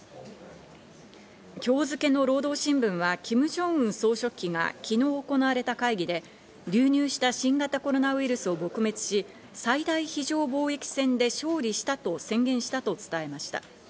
今日付の労働新聞はキム・ジョンウン総書記が昨日行われた会議で、流入した新型コロナウイルスを撲滅し、最大非常防疫戦で勝利したと宣言したと伝えました。